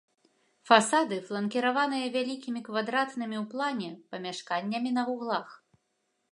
Фасады фланкіраваныя вялікімі квадратнымі ў плане памяшканнямі на вуглах.